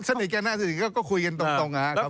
สนิทแกหน้าสนิทก็คุยกันตรง